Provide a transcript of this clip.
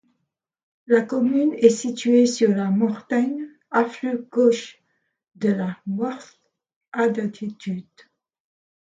La commune est située sur la Mortagne, affluent gauche de la Meurthe, à d'altitude.